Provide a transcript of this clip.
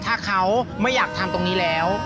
ถ้าเขาไม่อยากทำตรงนี้แล้ว